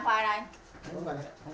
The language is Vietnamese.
rồi đi được rồi